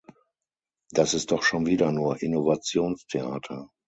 Das ist doch schon wieder nur Innovationstheater.